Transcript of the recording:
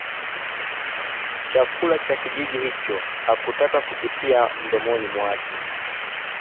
Chakula cha kijiji hicho hakutaka kukitia mdomoni mwake